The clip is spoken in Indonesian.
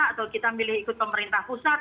atau kita milih ikut pemerintah pusat